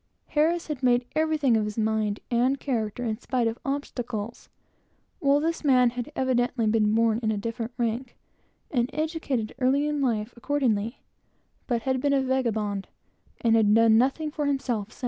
Harris had made everything of his mind and character in spite of obstacles; while this man had evidently been born in a different rank, and educated early in life accordingly, but had been a vagabond, and done nothing for himself since.